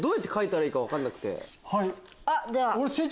はい。